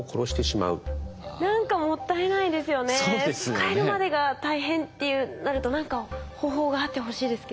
使えるまでが大変ってなると何か方法があってほしいですけど。